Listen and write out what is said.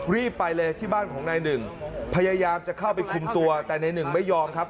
รีบไปเลยที่บ้านของนายหนึ่งพยายามจะเข้าไปคุมตัวแต่นายหนึ่งไม่ยอมครับ